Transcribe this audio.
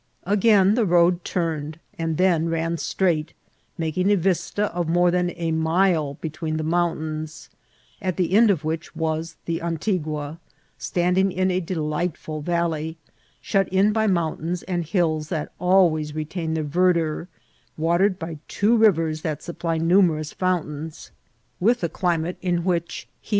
Again the road turned and then ran straight, making a vista of more than a mile between the mount ains, at the end of which was the Antigua, standing in a delightful valley, shut in by mountains and hills that always retain their verdure, watered by two rivers that supply numerous fountains, with a climate in which heat Vol.